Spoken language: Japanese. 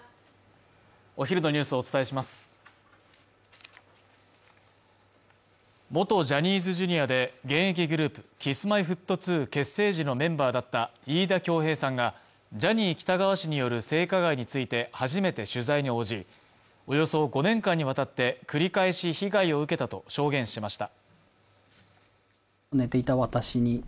お昼のニュースをお伝えします元ジャニーズＪｒ．で現役グループＫｉｓ−Ｍｙ−Ｆｔ２結成時のメンバーだった飯田恭平さんがジャニー喜多川氏による性加害について初めて取材に応じおよそ５年間にわたって繰り返し被害を受けたと証言しました